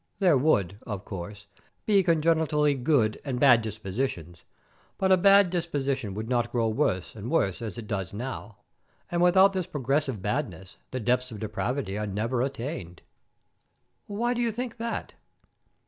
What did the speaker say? There would, of course, be congenitally good and bad dispositions, but a bad disposition would not grow worse and worse as it does now, and without this progressive badness the depths of depravity are never attained." "Why do you think that?"